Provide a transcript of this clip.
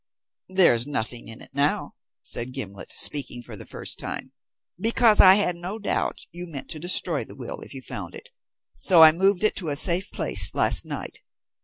"There's nothing in it now," said Gimblet, speaking for the first time, "because I had no doubt you meant to destroy the will if you found it, so I removed it to a safe place last night.